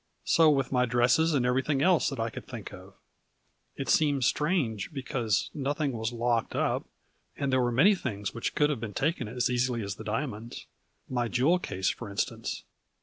So with my dresses and everything else that I could think of. It seemed strange, because nothing was locked up, and there were many things which could have been taken as easily as the diamonds, A FLURRY IN DIAMONDS. 49 my jewel case for instance.